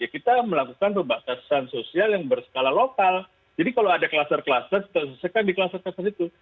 kita melakukan pembatasan sosial yang berskala lokal jadi kalau ada kelaser kelasers kita sesekan di kelaser kelasers itu